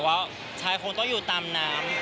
ว่าชายคงต้องอยู่ตามน้ำ